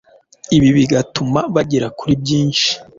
ibi bigatuma bagera kuri byinshi